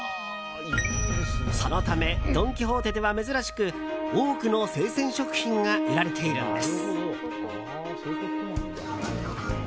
そのためドン・キホーテでは珍しく多くの生鮮食品が売られているんです。